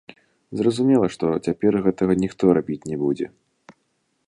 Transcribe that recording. Зразумела, што цяпер гэтага ніхто рабіць не будзе.